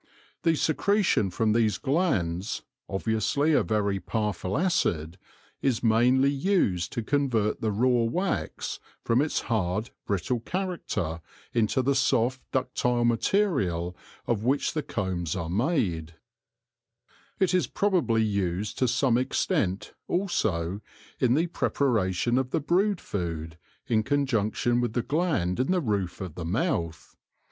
The secretion from these glands — obviously a very powerful acid — is mainly used to convert the raw wax from its hard, brittle character into the soft, ductile material of which the combs are made, It is probably used to some extent, also, in the prepara tion of the brood food, in conjunction with the gland in the roof of the mouth.